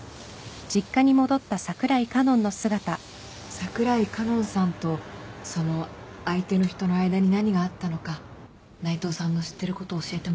櫻井佳音さんとその相手の人の間に何があったのか内藤さんの知ってることを教えてもらいたいの。